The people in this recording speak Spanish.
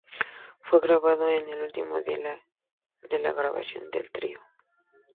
Fue grabado en el último día de la grabación del trío.